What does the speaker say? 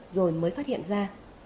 rồi mới phát hiện ra